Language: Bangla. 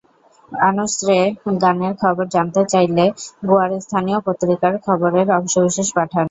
আনুশেহ্র গানের খবর জানতে চাইলে গোয়ার স্থানীয় পত্রিকার খবরের অংশবিশেষ পাঠান।